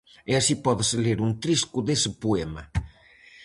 E así pódese ler un trisco dese poema.